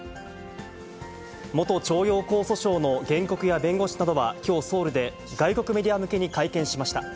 元徴用工訴訟の原告や弁護士などはきょうソウルで、外国メディア向けに会見しました。